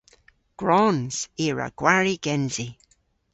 Gwrons! I a wra gwari gensi.